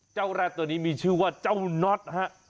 แร่ตัวนี้มีชื่อว่าเจ้าน็อตฮะ